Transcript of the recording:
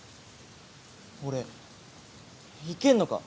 俺行けんのか？